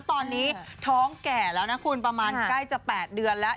ตอนนี้ท้องแก่แล้วนะคุณประมาณใกล้จะ๘เดือนแล้ว